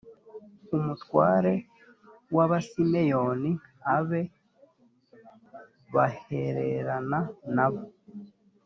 umutware w’abasimeyoni abe bahererana na bo